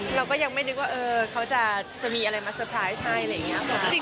เราก็ยังไม่นึกว่าเขาจะมีอะไรมาเตอร์ไพรส์ให้อะไรอย่างนี้ค่ะ